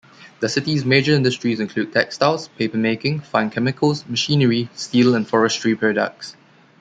The city's major industries include textiles, paper-making, fine chemicals, machinery, steel and forestry products.